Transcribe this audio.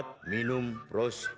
ada gejala gangguan prostat